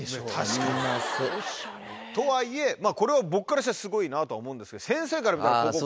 とはいえこれは僕からしたらすごいなとは思うんですけど。